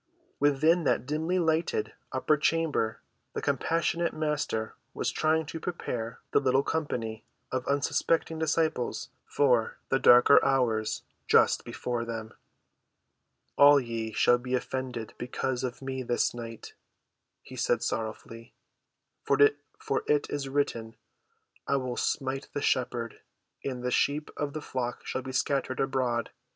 Within that dimly‐lighted upper chamber the compassionate Master was trying to prepare the little company of unsuspecting disciples for the darker hours just before them. "All ye shall be offended because of me this night," he said sorrowfully. "For it is written, I will smite the shepherd, and the sheep of the flock shall be scattered abroad.